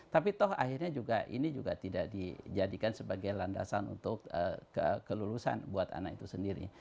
tapi toh akhirnya juga ini juga tidak dijadikan sebagai landasan untuk kelulusan buat anak itu sendiri